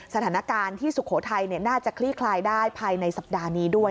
สถานการณ์ที่สุโขทัยน่าจะคลี่คลายได้ภายในสัปดาห์นี้ด้วย